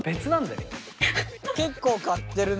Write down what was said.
結構買ってるね。